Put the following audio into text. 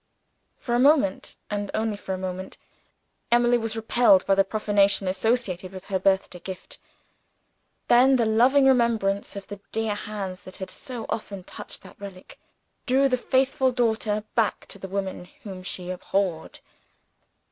For a moment, and only for a moment, Emily was repelled by the profanation associated with her birthday gift. Then, the loving remembrance of the dear hands that had so often touched that relic, drew the faithful daughter back to the woman whom she abhorred.